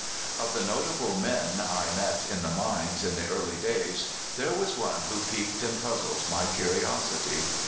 Of the notable men I met in the mines in the early days, there was one who piqued and puzzled my curiosity.